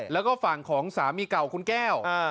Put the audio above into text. แล้วก็ฝั่งของสามีเก่าคุณแก้ว